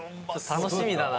楽しみだな。